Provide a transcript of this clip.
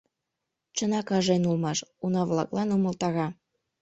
— Чынак, ажен улмаш, — уна-влаклан умылтара.